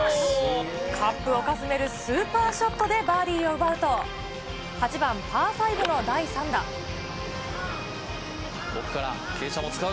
カップをかすめるスーパーショットでバーディーを奪うと、ここから傾斜も使う。